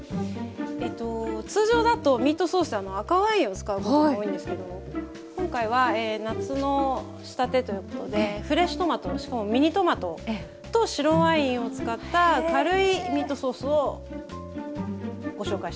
通常だとミートソースって赤ワインを使うことが多いんですけど今回は夏の仕立てということでフレッシュトマトしかもミニトマトと白ワインを使った軽いミートソースをご紹介したいと思います。